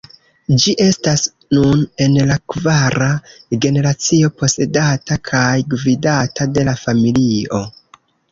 Ĝi estas nun en la kvara generacio posedata kaj gvidata de la familio.